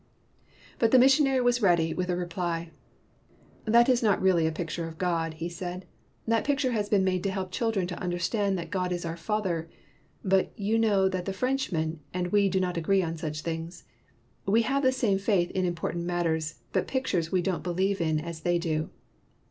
But the missionary was ready with a re ply. "That is not really a picture of God," he said. "That picture has been made to help children to understand that God is our Father. But, you know that the French men and we do not agree on such things: we have the same faith in important mat ters, but pictures we don't believe in as they do."